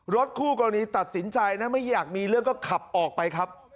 คู่กรณีตัดสินใจนะไม่อยากมีเรื่องก็ขับออกไปครับ